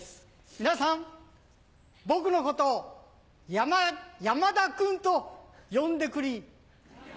皆さん僕のこと山田君と呼んでクリ。